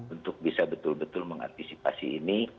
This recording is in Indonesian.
untuk bisa betul betul mengantisipasi ini